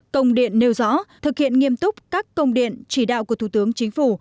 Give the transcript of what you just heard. công điện nêu rõ thực hiện nghiêm túc các công điện chỉ đạo của thủ tướng chính phủ